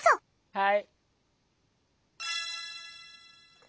はい。